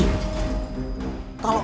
kalau ada yang mau bantu rifqi